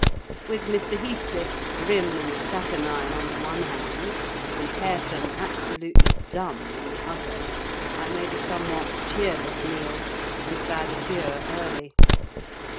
With Mr. Heathcliff, grim and saturnine, on the one hand, and Hareton, absolutely dumb, on the other, I made a somewhat cheerless meal, and bade adieu early.